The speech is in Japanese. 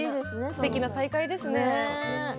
すてきな再会ですね。